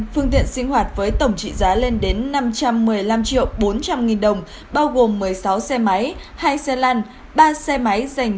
phương tiện sinh hoạt với tổng trị giá lên đến năm trăm một mươi năm triệu bốn trăm linh nghìn đồng bao gồm một mươi sáu xe máy hai xe lan ba xe máy dành